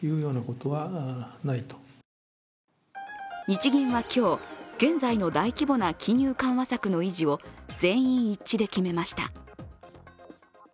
日銀は今日、現在の大規模な金融緩和策の維持を全員一致で決めました。